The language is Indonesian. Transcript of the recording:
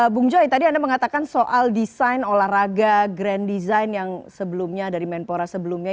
bung joy tadi anda mengatakan soal desain olahraga grand design yang sebelumnya dari menpora sebelumnya